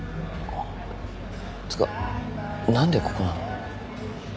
つうか何でここなの？